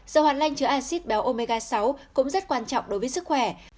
dầu hạt lanh chứa acid béo omega sáu cũng rất quan trọng đối với sức khỏe